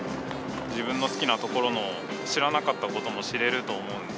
自分の好きなところの知らなかったことも知れると思うので。